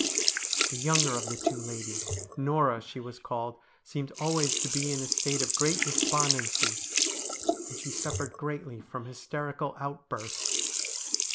'The younger of the two ladies Norah she was called seemed always to be in a state of great despondency, and she suffered greatly from hysterical outbursts.